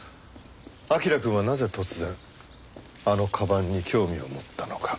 彬くんはなぜ突然あの鞄に興味を持ったのか。